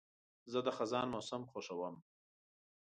زه د خزان موسم خوښوم.